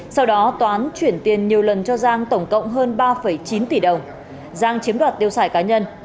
sau đó toán chuyển tiền nhiều lần cho giang tổng cộng hơn ba chín tỷ đồng giang chiếm đoạt tiêu xài cá nhân